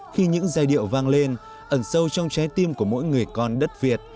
khi những giai điệu vang lên ẩn sâu trong trái tim của mỗi người con đất việt